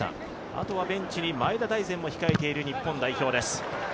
あとはベンチに前田大然も控えている日本代表です。